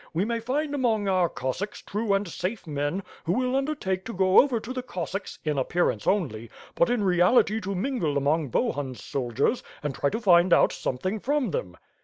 We may find among our Coesacks true and safe men, who will undertake to go over to the Cossacks, in appearance only, but in reality to mingle among Bohun's soldiers and try to find out something from them."